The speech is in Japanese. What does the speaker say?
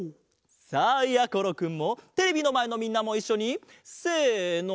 さあやころくんもテレビのまえのみんなもいっしょにせの。